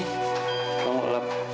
nih kamu kelap